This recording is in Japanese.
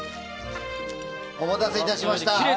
お待たせいたしました。